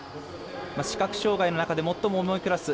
視覚障がいの中で最も重いクラス。